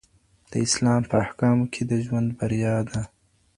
د اسلام په احکامو کي د ژوند بریا ده.